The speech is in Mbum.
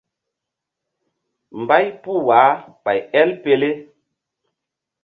Mbay puh wah ɓay el pele.